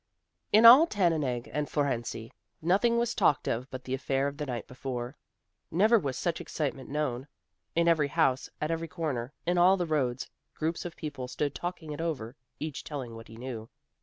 In all Tannenegg and Fohrensee, nothing was talked of but the affair of the night before. Never was such excitement known. In every house, at every corner, in all the roads, groups of people stood talking it over; each telling what he knew.